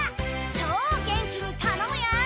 超元気に頼むよ。